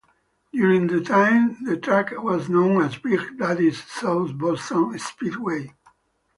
During the time the track was known as Big Daddy's South Boston Speedway.